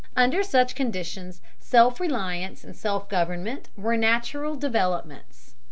Under such conditions self reliance and self government were natural developments.